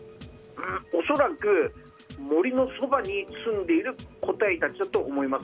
恐らく、森のそばにすんでいる個体たちだと思います。